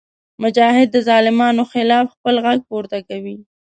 مجاهد د ظالمانو خلاف خپل غږ پورته کوي.